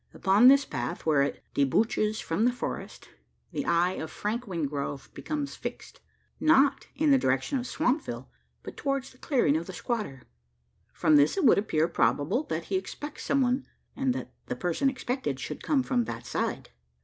Upon this path, where it debouches from the forest, the eye of Frank Wingrove becomes fixed not in the direction of Swampville, but towards the clearing of the squatter. From this, it would appear probable that he expects some one; and that the person expected should come from that side.